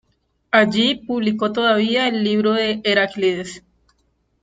Allí publicó todavía el Libro de Heráclides.